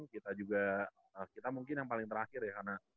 kita juga kita mungkin yang paling terakhir ya karena